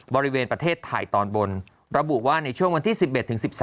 บริเวณประเทศไทยตอนบนระบุว่าในช่วงวันที่๑๑๑๓